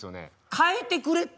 変えてくれって。